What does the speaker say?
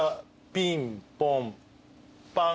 ピンポンパン。